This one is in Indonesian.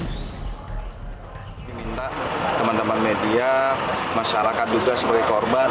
kami minta teman teman media masyarakat juga sebagai korban